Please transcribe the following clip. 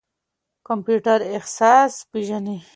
کمپيوټر احساس پېژني.